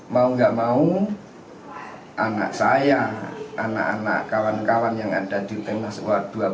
mau nggak mau anak saya anak anak kawan kawan yang ada di tengah sebuah teman